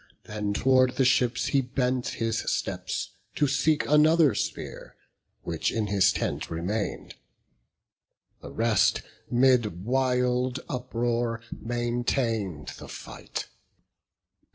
Then tow'rd the ships he bent his steps, to seek Another spear, which in his tent remain'd. The rest, 'mid wild uproar, maintain'd the fight.